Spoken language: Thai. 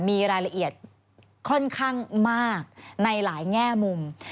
มีรายละเอียดค่อนข้างมากในหลายแง่มุม